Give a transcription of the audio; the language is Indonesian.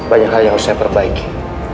banyak hal yang harus saya perbaiki